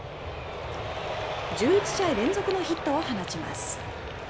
１１試合連続のヒットを放ちます。